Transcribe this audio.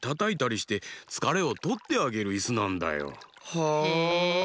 へえ。